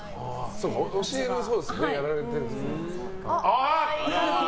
教えることはやられてるんですね。